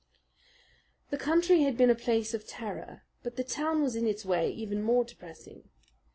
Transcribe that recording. The country had been a place of terror; but the town was in its way even more depressing.